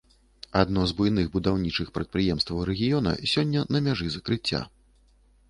Адно з буйных будаўнічых прадпрыемстваў рэгіёна сёння на мяжы закрыцця.